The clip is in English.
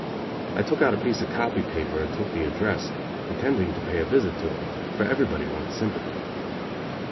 I took out a piece of "copy" paper and took the address, intending to pay a visit to him, for everybody wants sympathy.